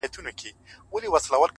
o راسه چي الهام مي د زړه ور مات كـړ،